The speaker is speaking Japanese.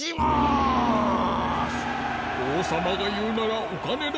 ・おうさまがいうならお金だ！